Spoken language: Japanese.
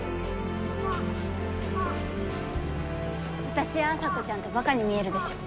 私や麻子ちゃんってばかに見えるでしょ。